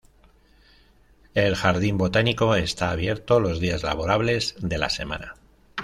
El jardín botánico está abierto los días laborables de la semana.